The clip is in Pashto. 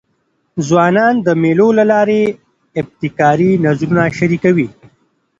ځوانان د مېلو له لاري ابتکاري نظرونه شریکوي.